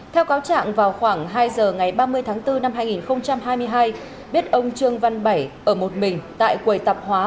theo cáo trạng vào khoảng hai giờ ngày ba mươi tháng bốn năm hai nghìn hai mươi hai biết ông trương văn bảy ở một mình tại quầy tạp hóa